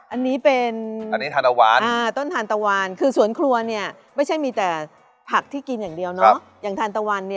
อันนี้เป็นคือสวนครัวไม่ใช่มีแต่ผักที่กินอย่างเดียวนะอย่างทานตะวัน